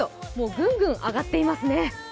ぐんぐん上がっていますね。